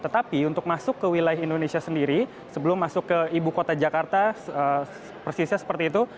di wilayah indonesia sendiri sebelum masuk ke ibu kota jakarta persisnya seperti itu